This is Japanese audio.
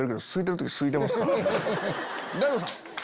大悟さん！